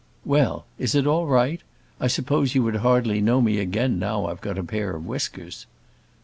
"Well. Is it all right? I suppose you would hardly know me again now I've got a pair of whiskers?"